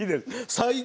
最高！